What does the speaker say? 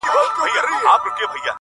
o دا خو ددې لپاره،